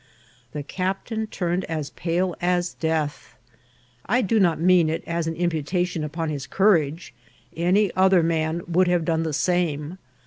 The captain turned as pale as death. I do not mean it as an imputation upon his courage ; any other man would have done the same.